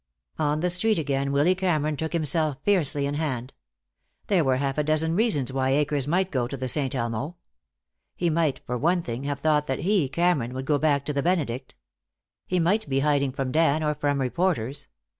On the street again Willy Cameron took himself fiercely in hand. There were a half dozen reasons why Akers might go to the Saint Elmo. He might, for one thing, have thought that he, Cameron, would go back to the Benedict. He might be hiding from Dan, or from reporters.